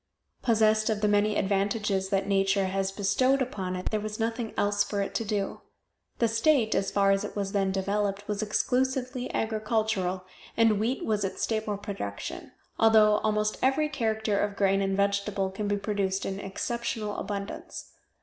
Possessed of the many advantages that nature has bestowed upon it, there was nothing else for it to do. The state, as far as it was then developed, was exclusively agricultural, and wheat was its staple production, although almost every character of grain and vegetable can be produced in exceptional abundance.